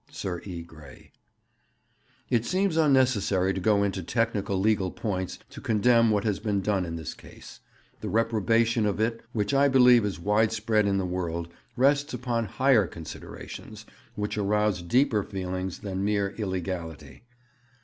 Sir E. Grey: 'It seems unnecessary to go into technical legal points to condemn what has been done in this case. The reprobation of it, which I believe is widespread in the world, rests upon higher considerations, which arouse deeper feelings, than mere illegality.'